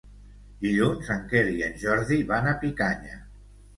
Dilluns en Quer i en Jordi van a Picanya.